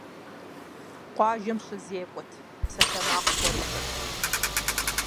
Къуажэм щызекӀуэрт псалъэмакъ гуэрхэр.